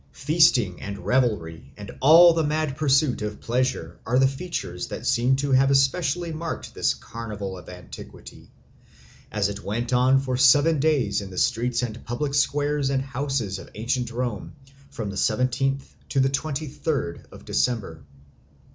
Feasting and revelry and all the mad pursuit of pleasure are the features that seem to have especially marked this carnival of antiquity, as it went on for seven days in the streets and public squares and houses of ancient Rome from the seventeenth to the twenty third of December.